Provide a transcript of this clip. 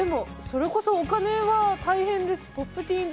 それこそお金は大変です。